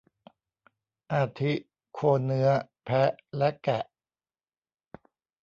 อาทิ โคเนื้อ แพะ และแกะ